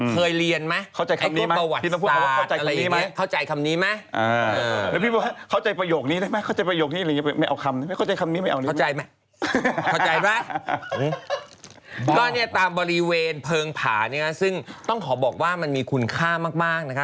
เข้าใจมั้ยเข้าใจมั้ยก็เนี่ยตามบริเวณเพิร์งผ่านี้ซึ่งต้องขอบอกว่ามันมีคุณค่ามากนะคะ